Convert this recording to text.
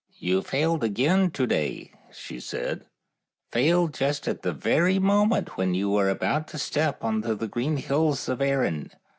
" You failed again to day," said she " failed just at the very moment when yon were about to step on the green hills of Erin.